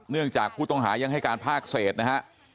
เนื่องจากผู้ต้องหายังให้การภาคเศษนะฮะ